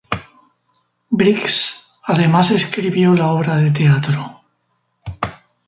Briggs además escribió la obra de teatro.